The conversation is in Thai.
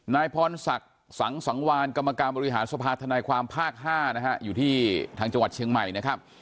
นายพรศักดิ์สังสังวานกรรมการบริหารสภาธนายความภาค๕นะฮะอยู่ที่ทางจังหวัดเชียงใหม่นะครับ